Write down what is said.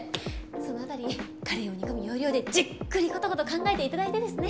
その辺りカレーを煮込む要領でじっくりコトコト考えて頂いてですね。